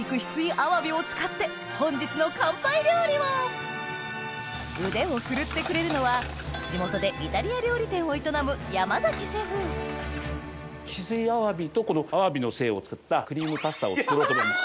あわびを使って本日の乾杯料理を腕を振るってくれるのは地元でイタリア料理店を営む翡翠あわびとこのあわびの精を使ったクリームパスタを作ろうと思います。